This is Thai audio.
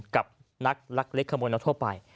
กับนักลักเล็กขโมยนกทั่วไป